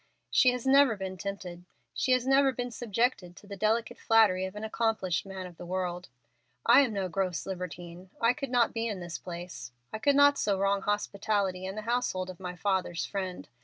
She has never been tempted. She has never been subjected to the delicate flattery of an accomplished man of the world. I am no gross libertine. I could not be in this place. I could not so wrong hospitality and the household of my father's friend.